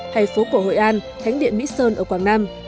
hay phố cổ hội an thánh điện mỹ sơn ở quảng nam